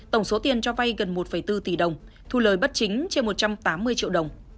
tổng số tiền cho vay gần một bốn tỷ đồng thu lời bất chính trên một trăm tám mươi triệu đồng